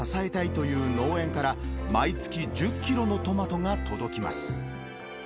店を支えたいという農園から、毎月１０キロのトマトが届きます。